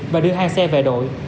và đưa hai xe về đội